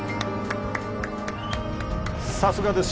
さすがです